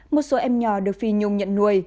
một số em nhỏ được phi nhung nhận nuôi